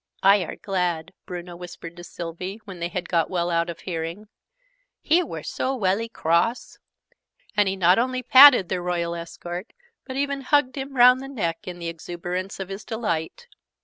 "I are glad!" Bruno whispered to Sylvie, when they had got well out of hearing. "He were so welly cross!" And he not only patted their Royal escort, but even hugged him round the neck in the exuberance of his delight.